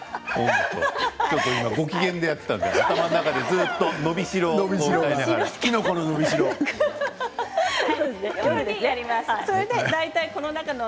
ちょっと今ご機嫌でやってたから、頭の中でずっと「のびしろ」あったのに。